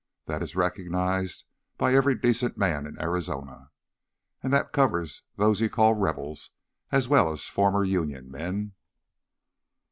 That is recognized by every decent man in Arizona. And that covers those you call 'Rebels' as well as former Union men."